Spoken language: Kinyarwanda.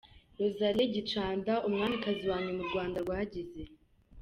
Rosalie Gicanda; umwamikazi wa nyuma u Rwanda rwagize.